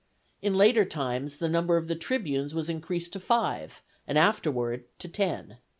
In later times, the number of the tribunes was increased to five, and afterward to ten.